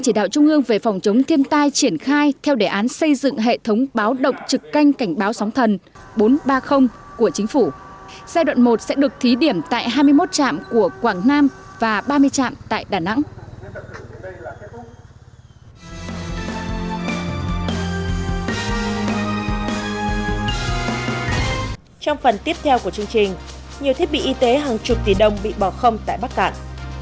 trong phần tiếp theo của chương trình nhiều thiết bị y tế hàng chục tỷ đồng bị bỏ không tại bắc cản